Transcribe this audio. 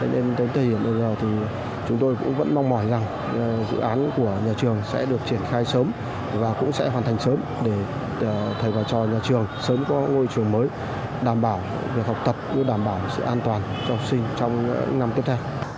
nên đến thời điểm bây giờ thì chúng tôi cũng vẫn mong mỏi rằng dự án của nhà trường sẽ được triển khai sớm và cũng sẽ hoàn thành sớm để thầy và trò nhà trường sớm có ngôi trường mới đảm bảo việc học tập đảm bảo sự an toàn cho học sinh trong những năm tiếp theo